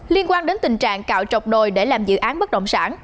liên quan đến tình trạng cạo trọc đồi để làm dự án bất đồng sản